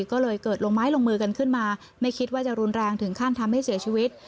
ก็เลยเกิดลงไม้ลงมือกันขึ้นมาไม่คิดว่าจะรุนแรงถึงขั้นทำให้เสียชีวิต